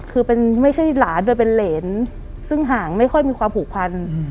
คือไม่ใช่หลานโดยเป็นเหรนซึ่งห่างไม่ค่อยมีความผูกพัน